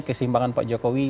keseimbangan pak jokowi